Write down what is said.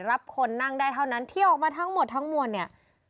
รับคนนั่งได้เท่านั้นที่ออกมาทั้งหมดทั้งมวลเนี่ย